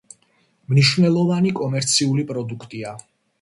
მნიშვნელოვანი კომერციული პროდუქტია.